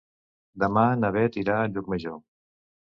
Demà na Bet irà a Llucmajor.